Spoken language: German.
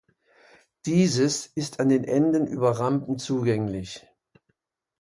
Dieses ist an den Enden über Rampen zugänglich.